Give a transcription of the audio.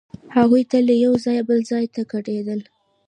هغوی تل له یوه ځایه بل ځای ته کډېدل.